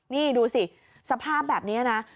นี่ดูสิสภาพแบบนี้นะ